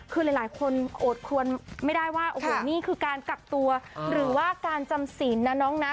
คือหลายคนโอดควรไม่ได้ว่าโอ้โหนี่คือการกักตัวหรือว่าการจำศีลนะน้องนะ